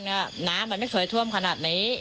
น้ำมันไม่เคยท่วมขนาดนี้